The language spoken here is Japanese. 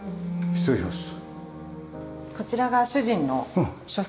失礼します。